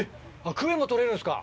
クエも取れるんですか。